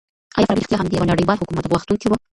آیا فارابي رښتيا هم د يوه نړيوال حکومت غوښتونکی و؟